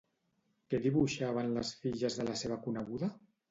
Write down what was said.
Què dibuixaven les filles de la seva coneguda?